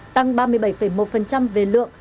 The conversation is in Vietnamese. tăng ba mươi bảy một về lượng